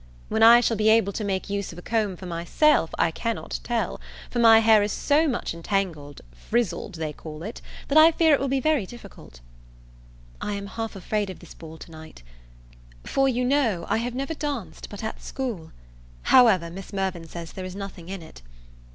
When I shall be able to make use of a comb for myself I cannot tell; for my hair is so much entangled, frizzled they call it, that I fear it will be very difficult. I am half afraid of this ball to night; for, you know, I have never danced but at school: however, Miss Mirvan says there is nothing in it.